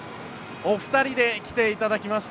お二人で来ていただきました。